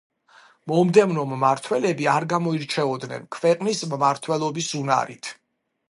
მომდევნო მმართველები არ გამოირჩეოდნენ ქვეყნის მმართველობის უნარით.